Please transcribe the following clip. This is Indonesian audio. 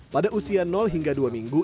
pada usia hingga dua minggu